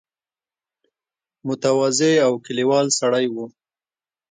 متواضع او کلیوال سړی وو.